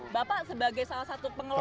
bapak sebagai salah satu pengelola